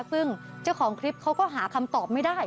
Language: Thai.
ซึ่งเจ้าของคลิปเขาก็หาคำตอบไม่ได้